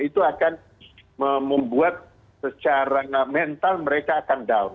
itu akan membuat secara mental mereka akan down